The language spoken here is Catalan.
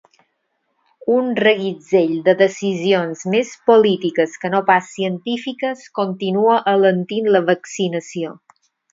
Un reguitzell de decisions més polítiques que no pas científiques continua alentint la vaccinació.